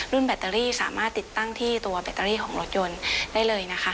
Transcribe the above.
แบตเตอรี่สามารถติดตั้งที่ตัวแบตเตอรี่ของรถยนต์ได้เลยนะคะ